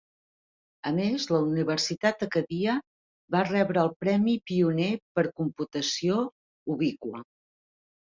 A més, la Universitat Acadia va rebre el Premi Pioner per Computació Ubiqua.